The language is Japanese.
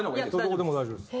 どこでも大丈夫です。